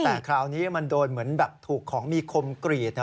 แต่คราวนี้มันโดนเหมือนแบบถูกของมีคมกรีด